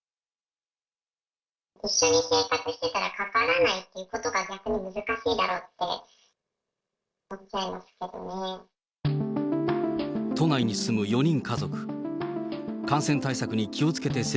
一緒に生活してたらかからないっていうことが逆に難しいだろうって思っちゃいますけどね。